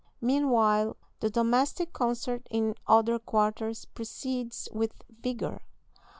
Meanwhile the domestic concert in other quarters proceeds with vigor.